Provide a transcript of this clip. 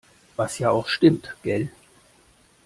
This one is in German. Was ja auch stimmt. Gell?